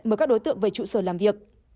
mời các đối tượng về trụ sở làm việc